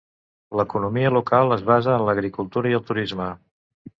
L'economia local es basa en l'agricultura i el turisme.